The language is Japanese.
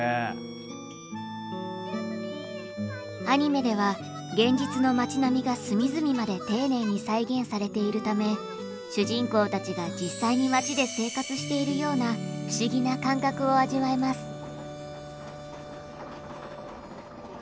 アニメでは現実の町並みが隅々まで丁寧に再現されているため主人公たちが実際に町で生活しているような不思議な感覚を味わえます。